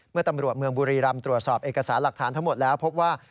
เมื่อตำรวจเมืองบุรีรำตรวจสอบเอกสารหลักฐานทั้งหมดแล้วพบว่า